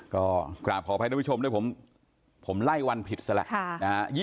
ก็ขออภัยด้วยว่าผมไล่วันผิดซะละ